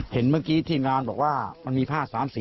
เห็นเมื่อกี้ทีมงานบอกว่ามันมีผ้า๓สี